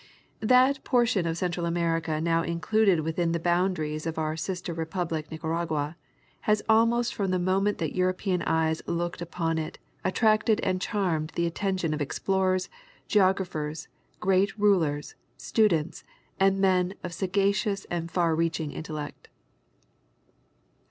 That portion of Central America now included within the boundaries of our sister republic Nicaragua, has almost from the moment that European eyes looked upon it attracted and charmed the attention of explorers, geographers, gi'eat rulers, stu dents, and men of sagacious and far reaching intellect.